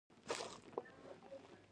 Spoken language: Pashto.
په اسراف او خوند اخیستنه کې افراط کوي.